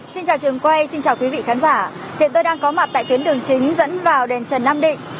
xin chào trường quay xin chào quý vị khán giả hiện tôi đang có mặt tại tuyến đường chính dẫn vào đền trần nam định